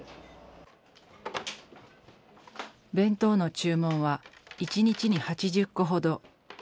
弁当の注文は１日に８０個ほど。